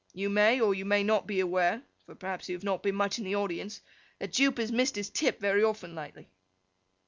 You may or you may not be aware (for perhaps you have not been much in the audience), that Jupe has missed his tip very often, lately.